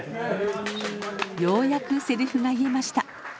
ようやくセリフが言えました。